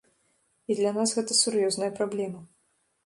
І для нас гэта сур'ёзная праблема.